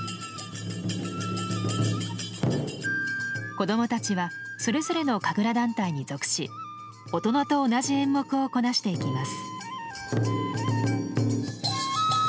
子どもたちはそれぞれの神楽団体に属し大人と同じ演目をこなしていきます。